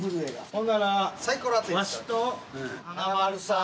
ほんならワシと華丸さん。